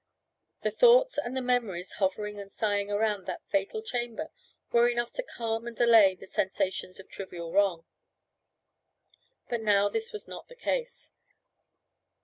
The thoughts and the memories hovering and sighing around that fatal chamber were enough to calm and allay the sensations of trivial wrong. But now this was not the case.